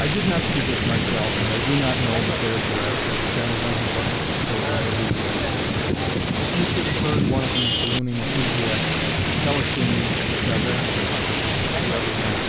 I did not see this myself, and I do not know the fair Thérèse or the gentleman who buttons his coat under his whiskers; but you should have heard one of these ballooning enthusiasts tell it to me in the Taverne du Panthéon the other night.